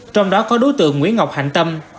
trong đó có đối tượng nguyễn ngọc hành tâm